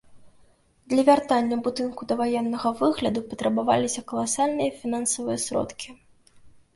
Для вяртання будынку даваеннага выгляду патрабаваліся каласальныя фінансавыя сродкі.